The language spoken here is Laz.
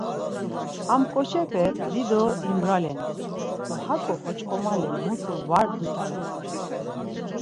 Ham ǩoçepe dido imbralanen do hako oç̌ǩomale mutu var dut̆alanen.